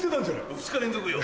２日連続よ。